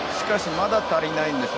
まだ足りないんだよ。